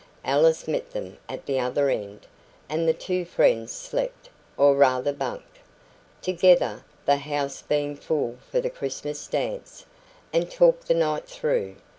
Alice met them at the other end, and the two friends slept, or rather bunked, together the house being full for the Christmas dance and talked the night through.